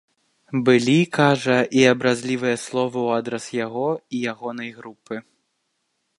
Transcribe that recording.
Былі, кажа, і абразлівыя словы ў адрас яго і ягонай групы.